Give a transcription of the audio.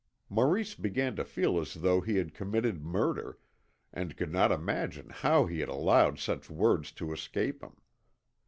Maurice began to feel as though he had committed murder, and could not imagine how he had allowed such words to escape him.